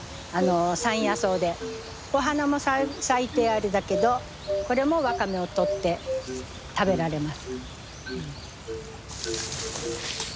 山野草でお花も咲いてあれだけどこれも若芽を取って食べられます。